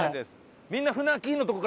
みんな。